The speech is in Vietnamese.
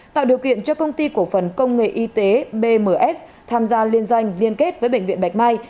tạo điều kiện cho công ty cổ phần công nghệ y tế bms tham gia liên doanh liên kết với bệnh viện bạch mai